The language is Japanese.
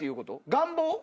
願望？